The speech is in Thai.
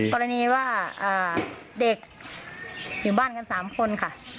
กรณีว่าเด็กอยู่บ้านกัน๓คนค่ะ